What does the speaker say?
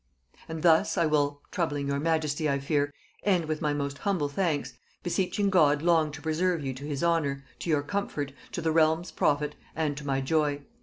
And thus I will (troubling your majesty I fear) end with my most humble thanks; beseeching God long to preserve you to his honor, to your comfort, to the realms profit, and to my joy.